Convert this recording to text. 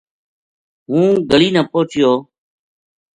ہوں گلی نا پوہچیو